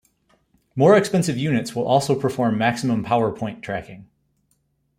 More expensive units will also perform maximum power point tracking.